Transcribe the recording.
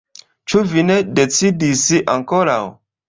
Ĉu vi ne decidis ankoraŭ?